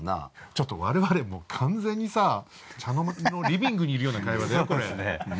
ちょっと我々もう完全にさ茶の間リビングにいるような会話だよこれ。